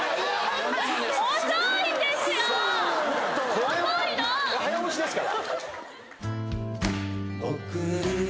これは早押しですから。